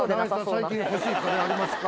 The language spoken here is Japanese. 最近欲しい家電ありますか？